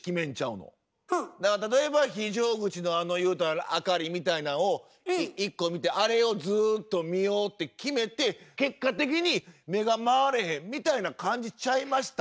例えば非常口のあの明かりみたいなんを１個見てあれをずっと見ようって決めて結果的に目が回れへんみたいな感じちゃいました？